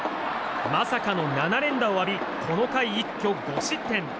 まさかの７連打を浴びこの回、一挙５失点。